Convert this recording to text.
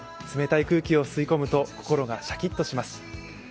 冷たい空気を吸い込むと心がシャキッとします。